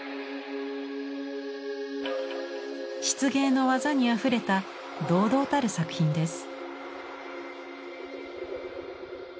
漆芸の技にあふれた堂々たる作品です。